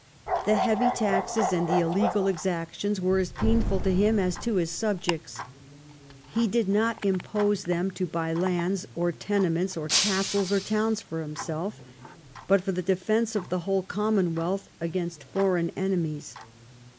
The heavy taxes and the illegal exactions were as painful to him as to his subjects. He did not impose them to buy lands, or tenements, or castles, or towns for himself, but for the defence of the whole commonwealth against foreign enemies.